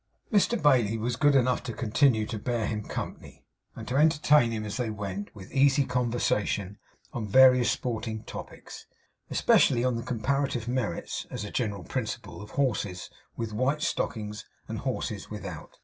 Mr Bailey was good enough to continue to bear him company, and to entertain him, as they went, with easy conversation on various sporting topics; especially on the comparative merits, as a general principle, of horses with white stockings, and horses without.